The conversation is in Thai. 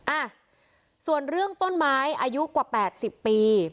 อ่ะส่วนเรื่องต้นไม้อายุกว่า๘๐ปี